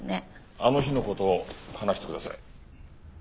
あの日の事を話してください。